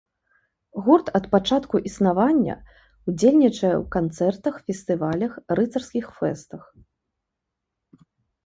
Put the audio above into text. Гурт ад пачатку існавання ўдзельнічае ў канцэртах, фестывалях, рыцарскіх фэстах.